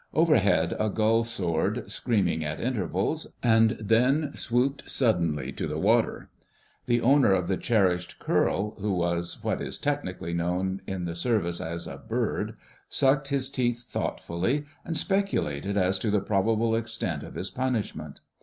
Overhead a gull soared, screaming at intervals, and then swooped suddenly to the water. The owner of the cherished curl, who was what is technically known in the Service as a "bird," sucked his teeth thoughtfully and speculated as to the probable extent of his punishment.